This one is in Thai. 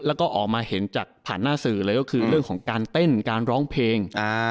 แล้วก็ออกมาเห็นจากผ่านหน้าสื่อเลยก็คือเรื่องของการเต้นการร้องเพลง